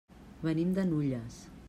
Venim de Nulles.